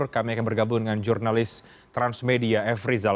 kami akan bergabung dengan jurnalis transmedia f rizal